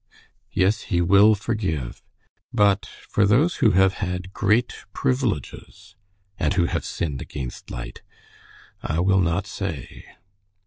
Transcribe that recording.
"Yes, he will forgive. But for those who have had great privileges, and who have sinned against light I will not say."